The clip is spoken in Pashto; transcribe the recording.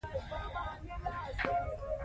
لوستې میندې د ماشوم پر رواني هوساینې غور کوي.